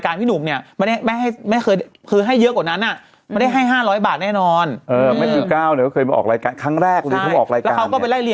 ๘หรือ๑๘๕๔อะไรก็ไม่รู้เต็มไปหมดเลย